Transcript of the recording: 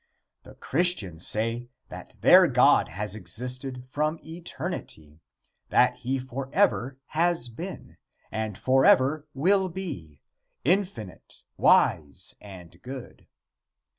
The Christians say that their God has existed from eternity; that he forever has been, and forever will be, infinite, wise and good.